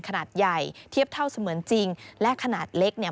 ขนาดใหญ่เทียบเท่าเสมือนจริงและขนาดเล็กเนี่ย